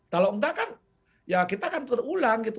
kalau enggak kan ya kita kan terulang gitu